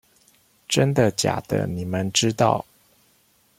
真的假的你們知道